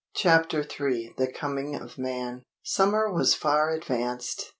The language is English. CHAPTER III THE COMING OF MAN Summer was far advanced.